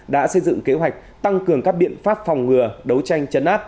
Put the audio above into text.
đã xây dựng kế hoạch tăng cường các biện pháp phòng ngừa đấu tranh chấn áp